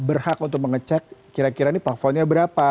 berhak untuk mengecek kira kira ini plafonnya berapa